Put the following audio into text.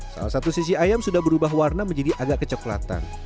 salah satu sisi ayam sudah berubah warna menjadi agak kecoklatan